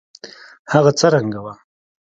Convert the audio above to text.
هغه څه رنګه وه.